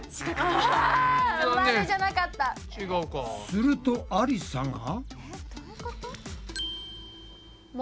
するとありさが。